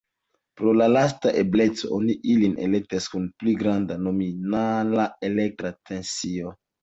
Pro la lasta ebleco oni ilin elektas kun pli granda nominala elektra tensio.